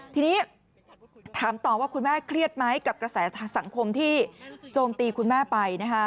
ทีนี้ถามต่อว่าคุณแม่เครียดไหมกับกระแสสังคมที่โจมตีคุณแม่ไปนะคะ